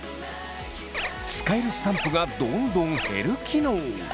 使えるスタンプがどんどん減る機能！